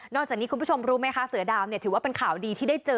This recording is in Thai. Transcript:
จากนี้คุณผู้ชมรู้ไหมคะเสือดาวเนี่ยถือว่าเป็นข่าวดีที่ได้เจอ